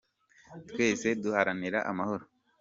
twese duharanire amahoro.